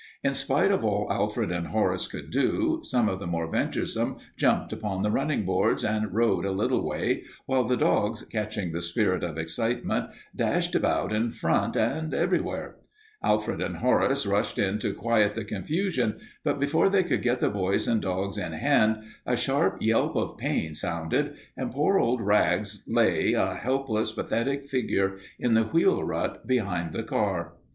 In spite of all Alfred and Horace could do, some of the more venturesome jumped upon the running boards and rode a little way, while the dogs, catching the spirit of excitement, dashed about in front and everywhere. Alfred and Horace rushed in to quiet the confusion, but before they could get the boys and dogs in hand a sharp yelp of pain sounded and poor old Rags lay, a helpless, pathetic figure, in the wheel rut behind the car.